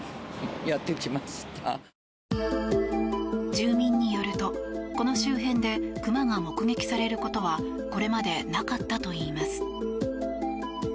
住民によると、この周辺でクマが目撃されることはこれまでなかったといいます。